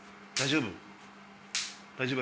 大丈夫？